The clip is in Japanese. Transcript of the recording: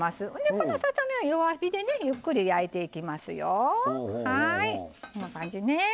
このささ身は弱火でゆっくり焼いていきますよ。